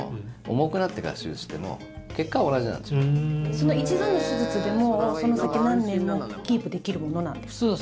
その一度の手術でもその先何年もキープできるものなんですか？